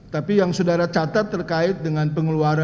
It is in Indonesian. tapi yang saudara catat terkait dengan pengeluaran